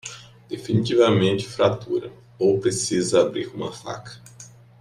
Definitivamente fratura ou precisa abrir uma faca